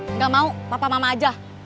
nggak mau papa mama aja